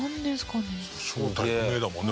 正体不明だもんね